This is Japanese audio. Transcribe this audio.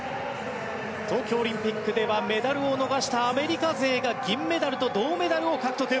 東京オリンピックではメダルを逃したアメリカ勢が銀メダルと銅メダルを獲得。